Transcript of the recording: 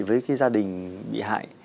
với cái gia đình bị hại